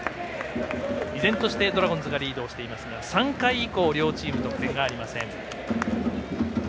依然として、ドラゴンズがリードしていますが３回以降、両チーム得点ありません。